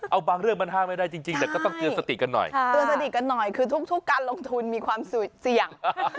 เอาบางเรื่องมันห้างไม่ได้จริงแต่ก็ต้องเตือนสติกันหน่อยคือทุกการลงทุนมีความเสี่ยง